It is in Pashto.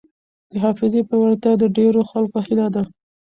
د حافظې پیاوړتیا د ډېرو خلکو هیله ده.